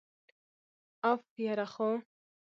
أف، یره خو!!